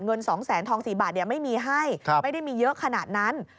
เงิน๒แสนทอง๔บาทไม่มีให้ไม่ได้มีเยอะขนาดนั้น